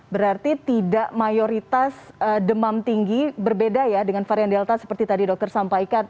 berarti tidak mayoritas demam tinggi berbeda ya dengan varian delta seperti tadi dokter sampaikan